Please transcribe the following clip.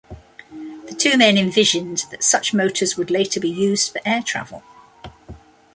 The two men envisioned that such motors would later be used for air travel.